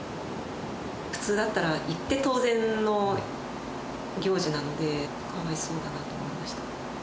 普通だったら、行って当然の行事なので、かわいそうだなと思いました。